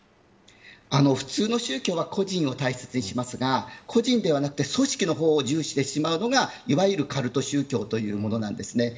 普通の宗教は個人を大切にしますが個人ではなくて組織の方を重視してしまうのがいわゆるカルト宗教というものなんです。